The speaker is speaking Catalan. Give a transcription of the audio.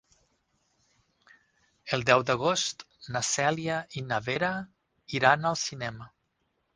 El deu d'agost na Cèlia i na Vera iran al cinema.